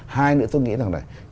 hai nữa tôi nghĩ là